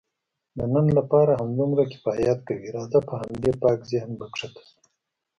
د نن لپاره همدومره کفایت کوي، راځه په همدې پاک ذهن به کښته شو.